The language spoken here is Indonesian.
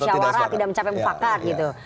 tidak musyawarat tidak mencapai mufakat gitu